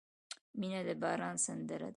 • مینه د باران سندره ده.